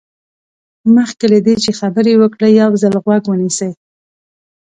مخکې له دې چې خبرې وکړئ یو ځل غوږ ونیسئ.